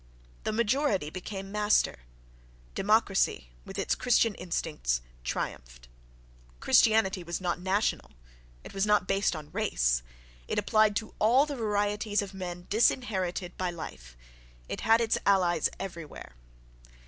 The majority became master; democracy, with its Christian instincts, triumphed.... Christianity was not "national," it was not based on race—it appealed to all the varieties of men disinherited by life, it had its allies everywhere.